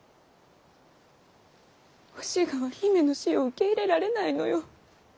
お志賀は姫の死を受け入れられないのよ。